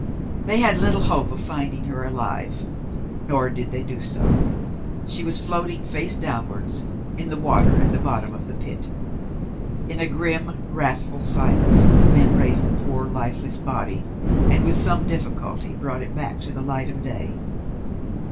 They had little hope of finding her alive; nor did they do so. She was floating, face downwards, in the water at the bottom of the pit. In a grim, wrathful silence the men raised the poor lifeless body, and with some difficulty brought it back to the light of day.